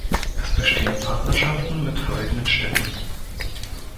Es bestehen Partnerschaften mit folgenden Städten;